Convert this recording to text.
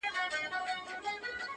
له مطربه سره نسته نوی شرنګ نوي سورونه،